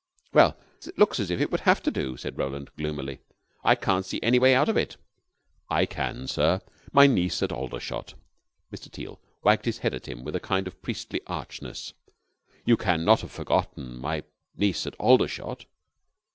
"Well, it looks as if it would have to do," said Roland, gloomily. "I can't see any way out of it." "I can, sir. My niece at Aldershot." Mr. Teal wagged his head at him with a kind of priestly archness. "You can not have forgotten my niece at Aldershot?"